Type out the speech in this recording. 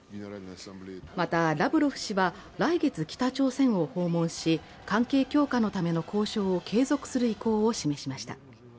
また、ラブロフ氏は来月、北朝鮮を訪問し、関係強化のための交渉を継続する意向を示しました。